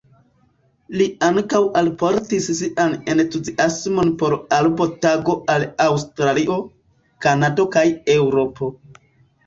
Li ankaŭ alportis sian entuziasmon por Arbo Tago al Aŭstralio, Kanado kaj Eŭropo.